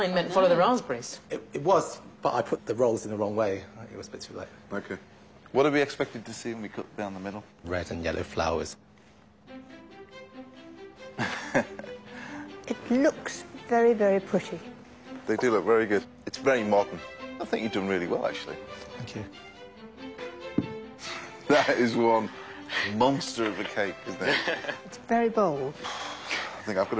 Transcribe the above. はい。